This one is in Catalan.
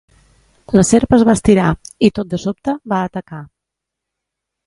La serp es va estirar i, tot de sobte, va atacar.